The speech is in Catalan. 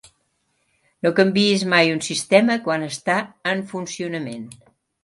No canviïs mai un sistema quan està en funcionament.